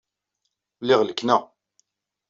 Lliɣ lekneɣ.